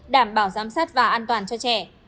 đảm bảo giám sát và an toàn cho trẻ